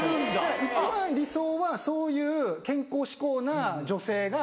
一番理想はそういう健康志向な女性が。